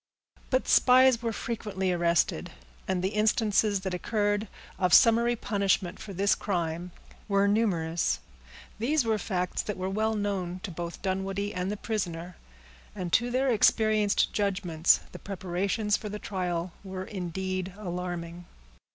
But spies were frequently arrested; and the instances that occurred of summary punishment for this crime were numerous. These were facts that were well known to both Dunwoodie and the prisoner; and to their experienced judgments the preparations for the trial were indeed alarming.